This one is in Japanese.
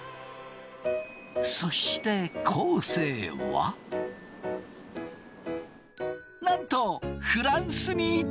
そして昴生はなんとフランスにいた！